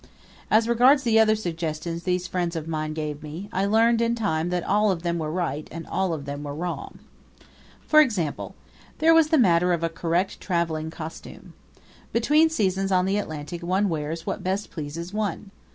As regards the other suggestions these friends of mine gave me, I learned in time that all of them were right and all of them were wrong. For example, there was the matter of a correct traveling costume. Between seasons on the Atlantic one wears what best pleases one.